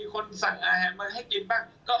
ทำอาหารกันซะอีก